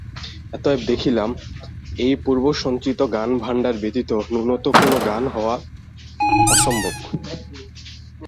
অতএব দেখিলাম, এই পূর্বসঞ্চিত জ্ঞানভাণ্ডার ব্যতীত নূতন কোন জ্ঞান হওয়া অসম্ভব।